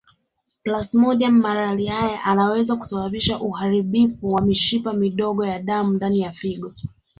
Plasmodium malariae anaweza kusababisha uharibifu wa mishipa midogo ya damu ndani ya figo